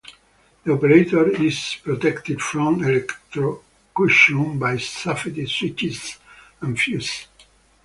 The operator is protected from electrocution by safety switches and fuses.